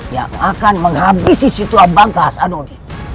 yang akan menghabisi si tua bangkas adonis